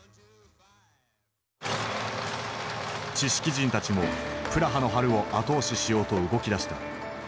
知識人たちも「プラハの春」を後押ししようと動きだした。